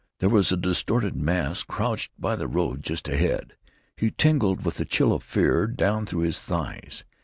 There was a distorted mass crouched by the road just ahead. He tingled with the chill of fear, down through his thighs.